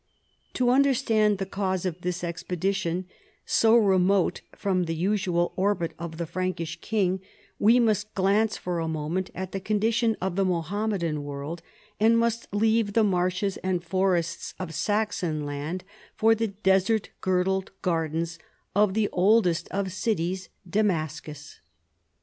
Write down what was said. To understand the cause of this expedition, so remote from the usual orbit of the Frankish king, we must glance for a moment at the condition of the Mohammedan world, and must leave the marshes and forests of Saxon land for the desert girdled gardens of the oldest of cities, Damascus.